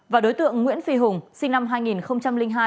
và đối tượng nguyễn phi hùng sinh năm hai nghìn hai